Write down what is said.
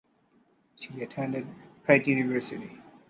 She attended Pratt University.